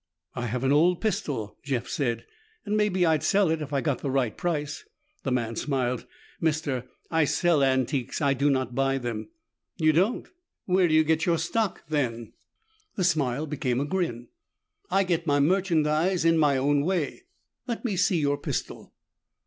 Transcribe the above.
"I have an old pistol," Jeff said, "and maybe I'd sell it if I got the right price." The man smiled. "Mister, I sell antiques. I do not buy them." "You don't? Where do you get your stock then?" The smile became a grin. "I get my merchandise in my own way. Let me see your pistol."